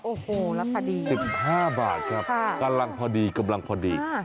โอ้โหราคาดี๑๕บาทครับกำลังพอดีกำลังพอดี